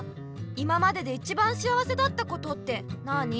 今までで一番幸せだったことってなあに？